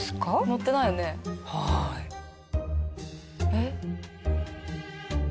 えっ？